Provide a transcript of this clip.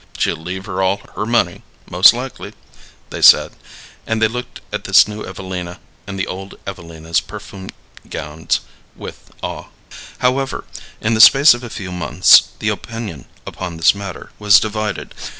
"She'll leave her all her money, most likely," they said, and they looked at this new Evelina in the old Evelina's perfumed gowns with awe. However, in the space of a few months the opinion upon this matter was divided.